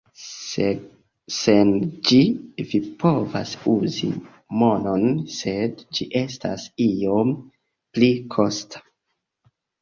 Sen ĝi, vi povas uzi monon, sed ĝi estas iom pli kosta.